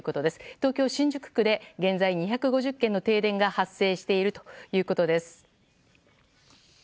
東京・新宿区で現在２５０軒の停電が発生しているということです。